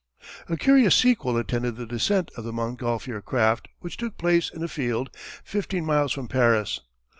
] A curious sequel attended the descent of the Montgolfier craft which took place in a field fifteen miles from Paris.